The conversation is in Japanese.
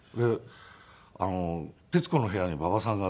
『徹子の部屋』に馬場さんが。